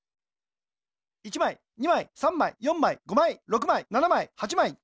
１まい２まい３まい４まい５まい６まい７まい８まい。